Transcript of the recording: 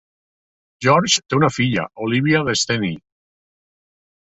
George té una filla, Olivia Destiny.